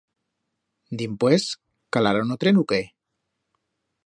Dimpués, calarán o tren u qué?